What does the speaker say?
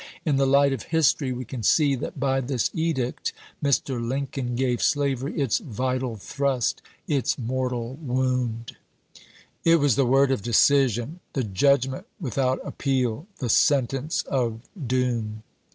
In the light of history we can see that by .this edict Mr, Lincoln gave slavery its vital thrust, its mortal wound. It was the word of decision, the judgment without appeal, the sentence of doom.